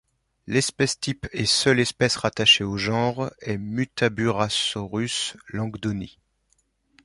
L'espèce type et seule espèce rattachée au genre est Muttaburrasaurus langdoni.